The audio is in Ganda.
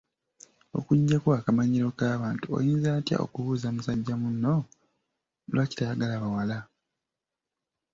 Okuggyako akamanyiiro k’abantu, oyinza otya okubuuza musajja muno lwaki teyagala bawala?